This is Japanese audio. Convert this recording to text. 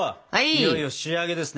いよいよ仕上げですね。